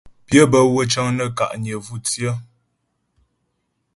Pyə́ bə́wə́ cəŋ nə́ ka'nyə vú tsyə.